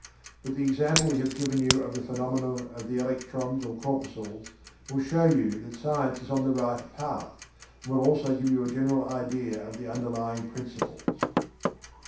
But the example we have given you of the phenomena of the electrons or corpuscles will show you that science is on the right path, and will also give you a general idea of the underlying principles.